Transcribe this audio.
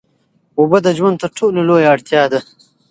اوبه د ژوند تر ټولو لویه اړتیا ده.